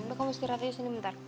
udah kamu istirahat aja di sini bentar